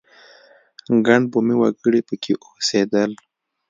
ګڼ بومي وګړي په کې اوسېدل.